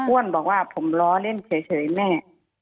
บอกว่าผมล้อเล่นเฉยแม่